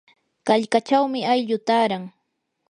qallqachawmi aylluu taaran.